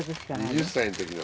２０歳の時の。